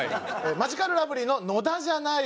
マヂカルラブリーの野田じゃない方